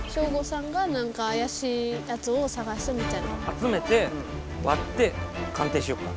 あつめてわって鑑定しようか。